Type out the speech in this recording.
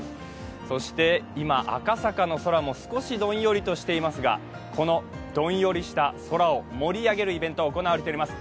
今、赤坂の空も少しどんよりしていますが、このどんよりした空を盛り上げるイベントが行われています。